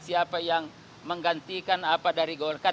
siapa yang menggantikan apa dari golkar